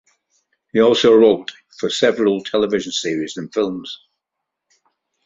He also wrote for several television series and films.